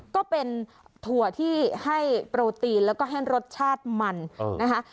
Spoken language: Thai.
ก็เป็นถั่วที่ให้โปรตีนแล้วก็ให้รสชาติมันนะคะ